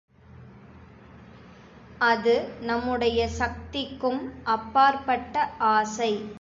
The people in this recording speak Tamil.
அது நம்முடைய சக்திக்கும் அப்பாற்பட்ட ஆசை.